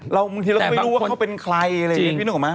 บางทีเราก็ไม่รู้ว่าเขาเป็นใครอะไรอย่างนี้พี่นึกออกไหม